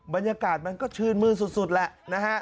บรรยากาศมันก็ชื่นมืดสุดแหละนะฮะ